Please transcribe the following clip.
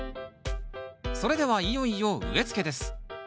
それではいよいよ植えつけです。